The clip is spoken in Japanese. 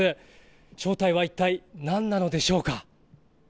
正体は一体何なのでしょうか。